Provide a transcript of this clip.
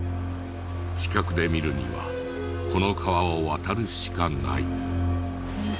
近くで見るにはこの川を渡るしかない。